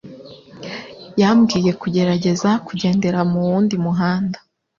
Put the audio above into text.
yambwiye kugerageza kugendera mu wundi muhanda